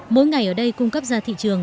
mỗi ngày ở đây cung cấp ra thị trường